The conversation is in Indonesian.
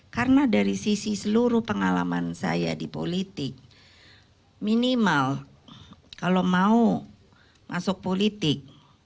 karena dari sisi seluruh pengalaman saya di politik minimal kalau mau masuk politik